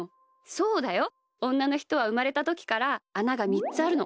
そうだよ。おんなのひとはうまれたときからあなが３つあるの。